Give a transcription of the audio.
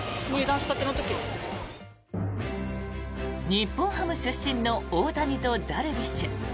日本ハム出身の大谷とダルビッシュ。